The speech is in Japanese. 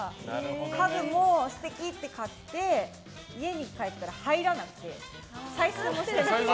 家具も素敵って買って家に帰ったら入らなくて採寸もしてなくて。